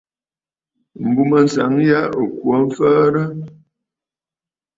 M̀bùmânsaŋ yâ ɨ̀ kwo mfəərə.